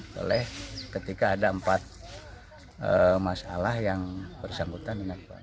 boleh ketika ada empat masalah yang bersangkutan ini